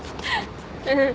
うん。